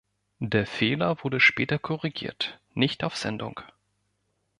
Der Fehler wurde später korrigiert, nicht auf Sendung.